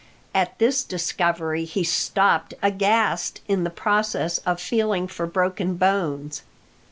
At this discovery he stopped aghast in the process of feeling for broken bones.